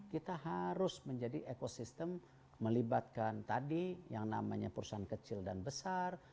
kita harus menjadi ekosistem melibatkan tadi yang namanya perusahaan kecil dan besar